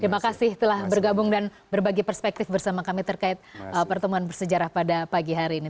terima kasih telah bergabung dan berbagi perspektif bersama kami terkait pertemuan bersejarah pada pagi hari ini